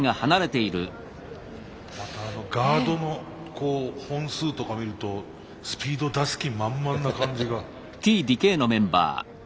またあのガードの本数とか見るとスピード出す気満々な感じが。